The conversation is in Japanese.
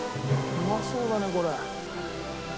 うまそうだねこれ。